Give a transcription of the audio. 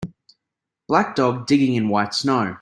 Black dog digging in white snow.